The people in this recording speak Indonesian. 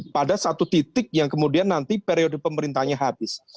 pada satu titik yang kemudian nanti periode pemerintahnya habis